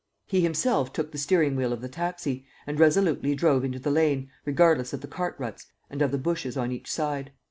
He himself took the steering wheel of the taxi, and resolutely drove into the lane, regardless of the cart ruts and of the bushes on each side.